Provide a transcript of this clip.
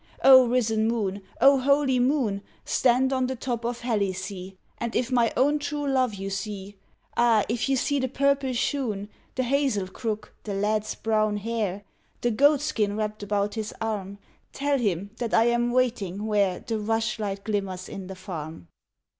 O risen moon! O holy moon! Stand on the top of Helice, And if my own true love you see, Ah! if you see the purple shoon, The hazel crook, the lad's brown hair, The goat skin wrapped about his arm, Tell him that I am waiting where The rushlight glimmers in the Farm.